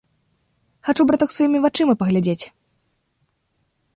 Хачу, браток, сваімі вачыма паглядзець.